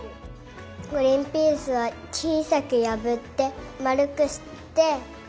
グリンピースはちいさくやぶってまるくして。